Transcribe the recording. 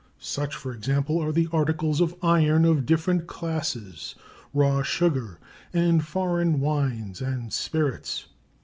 Such, for example, are the articles of iron of different classes, raw sugar, and foreign wines and spirits.